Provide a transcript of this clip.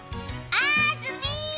あずみ。